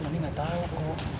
nanti gak tau kok